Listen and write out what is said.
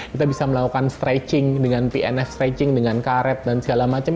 kita bisa melakukan stretching dengan pnf stretching dengan karet dan segala macam